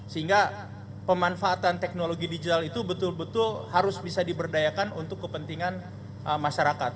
sehingga pemanfaatan teknologi digital itu betul betul harus bisa diberdayakan untuk kepentingan masyarakat